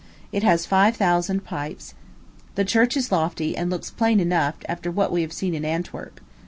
It has five thousand pipes. The church is lofty, and looks plain enough after what we have seen in Antwerp.